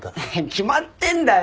決まってんだよ！